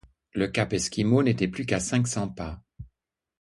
Le cap Esquimau n’était plus qu’à cinq cents pas.